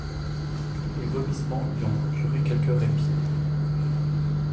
Les vomissements lui ont procuré quelque répit.